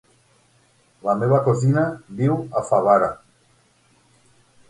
La meva cosina viu a Favara.